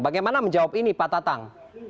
bagaimana menjawab ini pak tatang